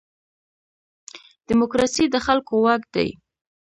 دیموکراسي د خلکو واک دی